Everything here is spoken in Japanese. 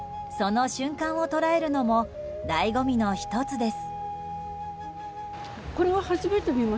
その瞬間を捉えるのも醍醐味の１つです。